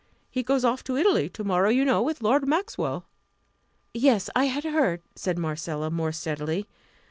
He goes off to Italy to morrow, you know, with Lord Maxwell." "Yes, I had heard," said Marcella, more steadily.